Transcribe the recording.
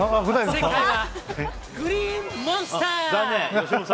正解はグリーンモンスター。